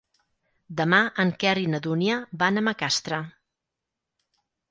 Demà en Quer i na Dúnia van a Macastre.